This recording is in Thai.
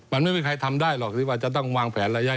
มันไม่มีใครทำได้หรอกที่ว่าจะต้องวางแผนระยะ